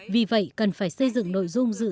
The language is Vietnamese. vì vậy cần phải xây dựng nội dung dự